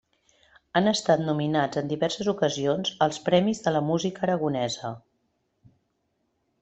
Han estat nominats en diverses ocasions als Premis de la Música Aragonesa.